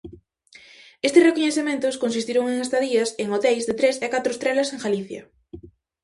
Estes recoñecementos consistiron en estadías en hoteis de tres e catro estrelas en Galicia.